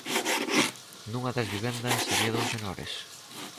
Nunha das vivendas había dous menores.